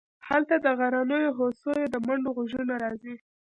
هلته د غرنیو هوسیو د منډو غږونه راځي